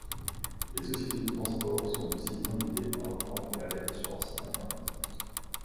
Les sociétés de transport sont aussi invitées à reprendre l'alerte sur leur site Internet.